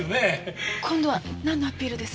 今度はなんのアピールです？